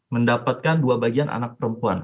mendapatkan dua bagian anak perempuan